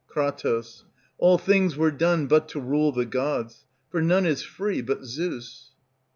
Kr. All things were done but to rule the gods, For none is free but Zeus.